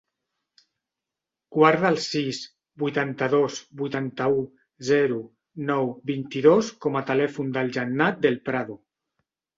Guarda el sis, vuitanta-dos, vuitanta-u, zero, nou, vint-i-dos com a telèfon de la Jannat Del Prado.